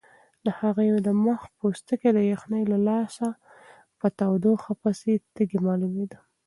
د هغې د مخ پوستکی د یخنۍ له لاسه په تودوخه پسې تږی معلومېده.